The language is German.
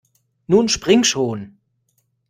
Nun spring schon!